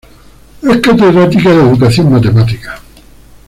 Es catedrática de educación matemática.